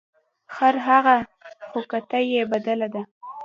ـ خرهغه خو کته یې بدله ده .